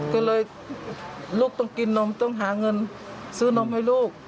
ก็เลยลูกต้องกินนมต้องหาเงินซื้อนมให้ลูก